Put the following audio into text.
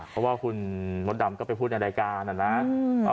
เพราะว่าคุณมดดำก็ไปพูดในรายการนะ